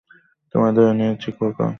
তোমায় ধরে নিয়েছি, খোকা।